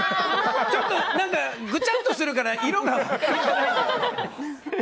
ちょっと何かぐちゃっとするから、色が。